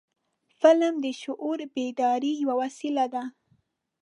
فلم د شعور بیدارۍ یو وسیله ده